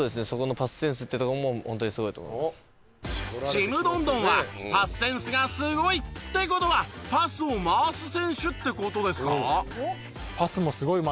ちむどんどんはパスセンスがすごい！って事はパスを回す選手って事ですか？